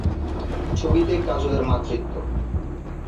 ছবিতে কাজলের মাতৃত্ব